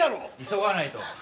急がないと。